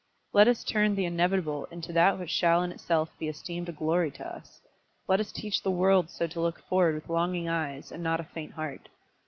Let us turn the inevitable into that which shall in itself be esteemed a glory to us. Let us teach the world so to look forward with longing eyes, and not with a faint heart.